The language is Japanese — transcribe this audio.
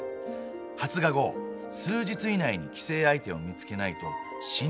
発芽後数日以内に寄生相手を見つけないと死んでしまう。